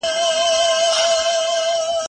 کېدای سي موسيقي خراب وي!.